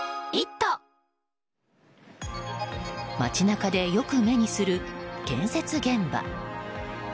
街中でよく目にする建設現場。